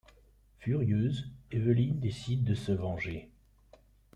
Furieuse, Evelyn décide de se venger.